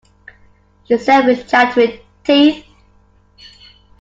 She said with chattering teeth.